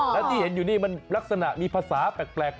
และที่เห็นอยู่นี่มันลักษณะมีภาษาแปลก